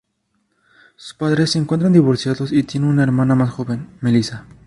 Sus padres se encuentran divorciados y tiene una hermana más joven, Melissa.